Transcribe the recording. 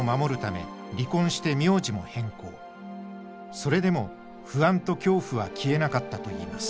それでも不安と恐怖は消えなかったといいます。